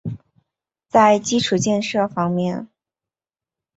在基础建设方面